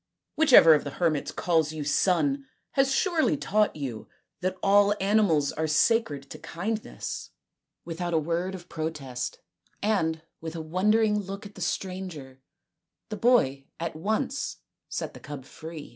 Whichever of the hermits calls you son has surely taught you that all animals are sacred to kindness." Without a word of protest and with a wondering look at the stranger the boy at once set the cub free.